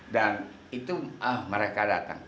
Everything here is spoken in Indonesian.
dan itu mereka